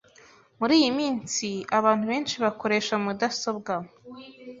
Muri iyi minsi abantu benshi bakoresha mudasobwa .